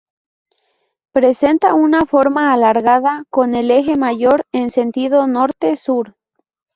Presenta una forma alargada con el eje mayor en sentido norte-sur.